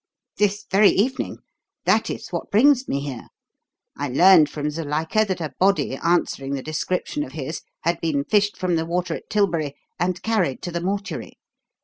"This very evening. That is what brings me here. I learned from Zuilika that a body answering the description of his had been fished from the water at Tilbury and carried to the mortuary.